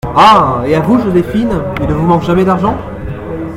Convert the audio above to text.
Ah ! et à vous, Joséphine, il ne vous manque jamais d’argent ?